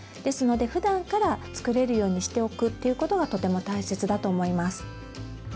ですのでふだんから作れるようにしておくということがとても大切だと思います。